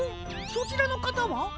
そちらのかたは？